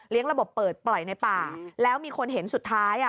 ระบบเปิดปล่อยในป่าแล้วมีคนเห็นสุดท้ายอ่ะ